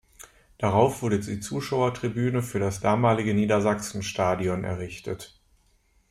Darauf wurde die Zuschauertribüne für das damalige Niedersachsenstadion errichtet.